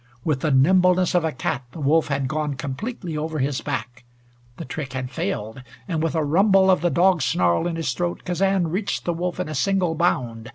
With the nimbleness of a cat the wolf had gone completely over his back. The trick had failed, and with a rumble of the dog snarl in his throat, Kazan reached the wolf in a single bound.